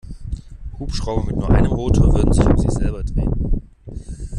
Hubschrauber mit nur einem Rotor würden sich um sich selbst drehen.